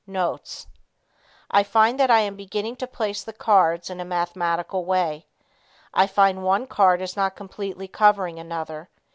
Notes. I find that I am beginning to place the cards in a mathematical way. I find one card is not completely covering another.